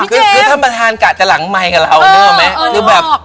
คือท่านประธานกะแต่หลังไมค์กับเรานึกออกไหม